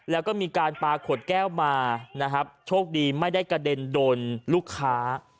แล้วก็มีการปลาขวดแก้วมานะครับโชคดีไม่ได้กระเด็นโดนลูกค้า